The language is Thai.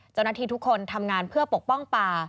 เจ้าหน้าที่ทุกคนทำงานเพื่อปกป้องป่า